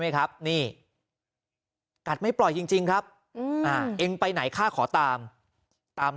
ไหมครับนี่กัดไม่ปล่อยจริงครับเองไปไหนข้าขอตามตาม